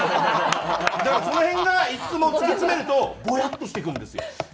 その辺がいつも突き詰めるとボヤッとしてくるんですよ。